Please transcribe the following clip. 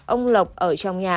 ông lộc ở trong nhà